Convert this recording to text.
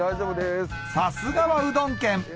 さすがはうどん県